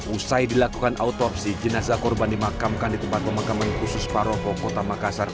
usai dilakukan autopsi jenazah korban dimakamkan di tempat pemakaman khusus paropo kota makassar